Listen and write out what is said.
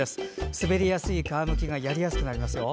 滑りやすい皮むきがやりやすくなりますよ。